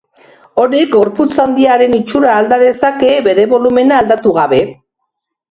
Honek gorputz handiaren itxura alda dezake, bere bolumena aldatu gabe.